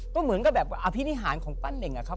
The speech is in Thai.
ก็เหมือนกับแบบอภิษฐานของปั้นเหงอันครับ